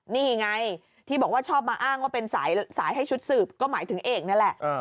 นี่ไงที่บอกว่าชอบมาอ้างว่าเป็นสายให้ชุดสืบก็หมายถึงเอกนั่นแหละ